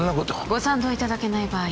ご賛同いただけない場合